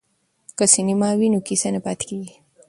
که سینما وي نو کیسه نه پاتیږي.